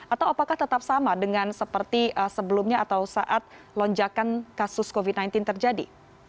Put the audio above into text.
atau apakah tetap sama dengan seperti sebelumnya atau saat lonjakan kasus covid sembilan belas terjadi